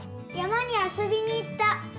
山に遊びに行った。